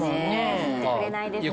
吸ってくれないですね。